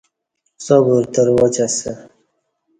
سبر ترواچ اسہ